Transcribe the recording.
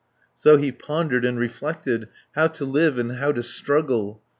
So he pondered and reflected How to live and how to struggle.